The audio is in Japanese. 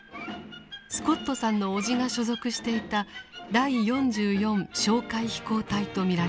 スコットさんの叔父が所属していた「第４４哨戒飛行隊」と見られます。